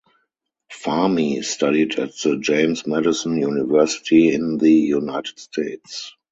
Fahmi studied at the James Madison University in the United States.